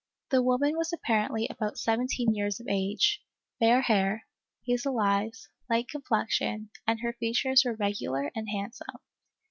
The woman was apparently about seventeen years of age, fair hair, hazel eyes, light complexion, and her features were regular and handsome.